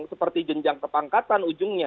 seperti jenjang kepangkatan ujungnya